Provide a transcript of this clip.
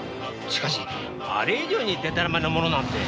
しかしあれ以上にでたらめなものなんて。